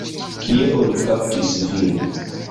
Kie oni kaptis vin?